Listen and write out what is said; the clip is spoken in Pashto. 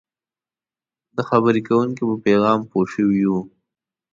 د خبرې کوونکي په پیغام پوه شوي یو.